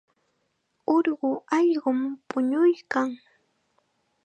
Urqu allqum puñuykan.